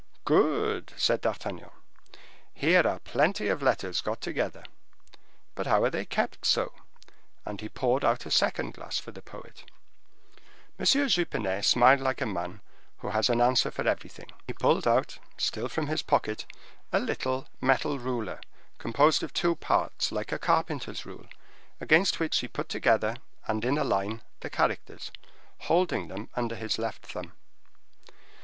"Good!" said D'Artagnan; "here are plenty of letters got together; but how are they kept so?" And he poured out a second glass for the poet. M. Jupenet smiled like a man who has an answer for everything; then he pulled out—still from his pocket—a little metal ruler, composed of two parts, like a carpenter's rule, against which he put together, and in a line, the characters, holding them under his left thumb.